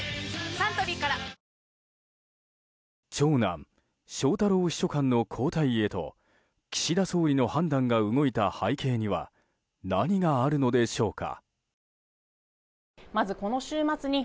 サントリーから長男・翔太郎秘書官の交代へと岸田総理の判断が動いた背景には何があるのでしょうか。